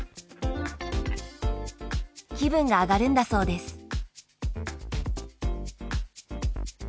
気分が上がるんだそうです。